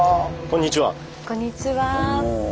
こんにちは。